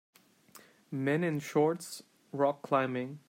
Men in shorts rock climbing.